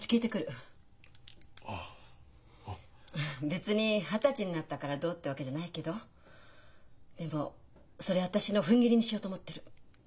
別に二十歳になったからどうってわけじゃないけどでもそれ私のふんぎりにしようと思ってる。